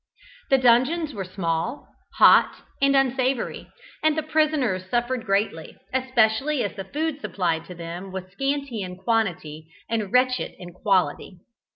The dungeons were small, hot, and unsavoury, and the prisoners suffered greatly, especially as the food supplied to them was scanty in quantity and wretched in quality.